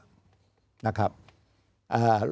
เป็นแห่ง